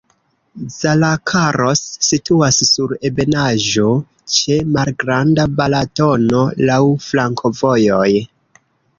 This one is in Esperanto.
Zalakaros situas sur ebenaĵo, ĉe malgranda Balatono, laŭ flankovojoj.